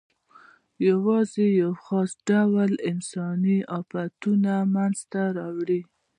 یواځې یو خاص ډول یې انساني آفتونه منځ ته راوړي.